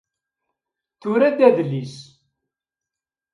Tura-d adlis.